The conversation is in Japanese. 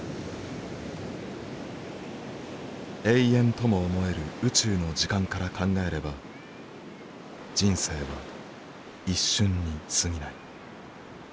永遠とも思える宇宙の時間から考えれば人生は一瞬にすぎない。